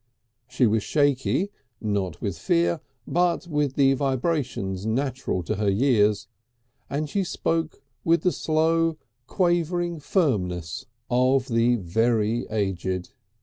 She was shaky, not with fear, but with the vibrations natural to her years, and she spoke with the slow quavering firmness of the very aged.